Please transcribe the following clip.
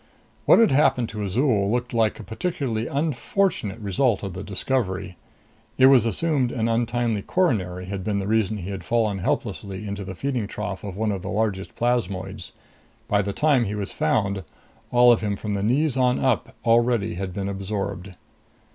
What had happened to Azol looked like a particularly unfortunate result of the discovery. It was assumed an untimely coronary had been the reason he had fallen helplessly into the feeding trough of one of the largest plasmoids. By the time he was found, all of him from the knees on up already had been absorbed.